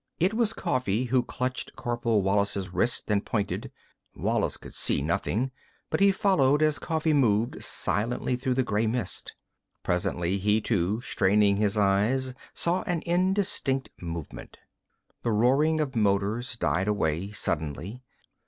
It was Coffee who clutched Corporal Wallis' wrist and pointed. Wallis could see nothing, but he followed as Coffee moved silently through the gray mist. Presently he too, straining his eyes, saw an indistinct movement. The roaring of motors died away suddenly.